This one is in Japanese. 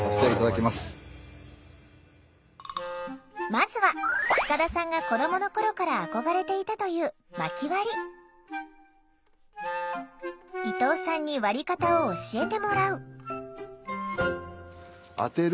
まずは塚田さんが子どもの頃から憧れていたという伊藤さんに割り方を教えてもらう。